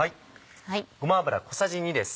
ごま油小さじ２です。